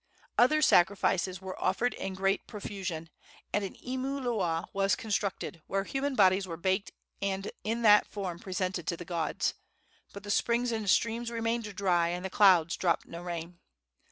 Other sacrifices were offered in great profusion, and an imu loa was constructed, where human bodies were baked and in that form presented to the gods. But the springs and streams, remained dry, and the clouds dropped no rain.